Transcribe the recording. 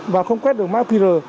và không quét được mạng qr